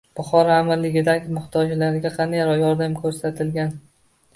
Buxoro amirligidagi muhtojlarga qanday yordam ko‘rsatilgan?